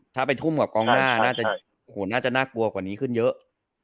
ถ้าไปทุ่มกับกองหน้าน่าจะน่ากลัวกว่านี้ขึ้นเยอะ